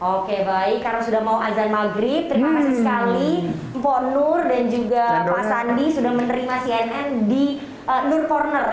oke baik karena sudah mau azan maghrib terima kasih sekali mpor nur dan juga pak sandi sudah menerima cnn di nur corner